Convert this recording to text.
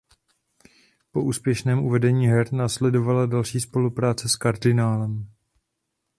Po úspěšném uvedení her následovala další spolupráce s kardinálem.